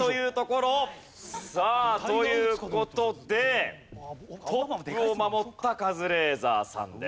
さあという事でトップを守ったカズレーザーさんです。